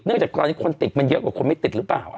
จากตอนนี้คนติดมันเยอะกว่าคนไม่ติดหรือเปล่า